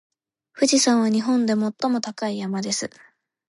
富士山は日本で最も高い山です。